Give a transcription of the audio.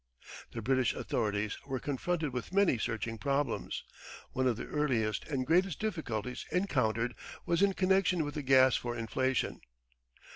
The British authorities were confronted with many searching problems. One of the earliest and greatest difficulties encountered was in connection with the gas for inflation.